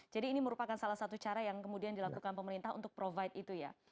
jadi ini merupakan salah satu cara yang kemudian dilakukan pemerintah untuk provide itu ya